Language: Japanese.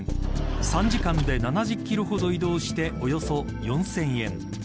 ３時間で７０キロほど移動しておよそ４０００円。